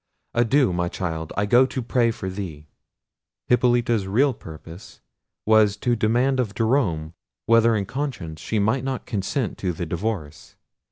Adieu! my child: I go to pray for thee." Hippolita's real purpose was to demand of Jerome, whether in conscience she might not consent to the divorce.